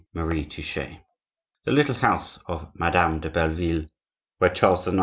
MARIE TOUCHET The little house of Madame de Belleville, where Charles IX.